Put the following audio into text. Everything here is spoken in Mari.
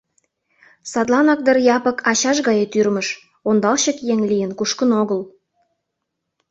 Садланак дыр Япык ачаж гае тӱрмыж, ондалчык еҥ лийын кушкын огыл.